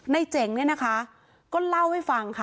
เจ๋งเนี่ยนะคะก็เล่าให้ฟังค่ะ